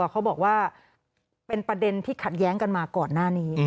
เคยเป็นเพื่อนกัน